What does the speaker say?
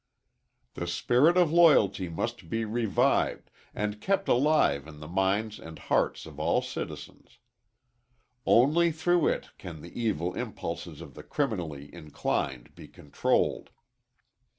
The spirit of loyalty must be revived and kept alive in the minds and hearts of all citizens. Only through it can the evil impulses of the criminally inclined be controlled.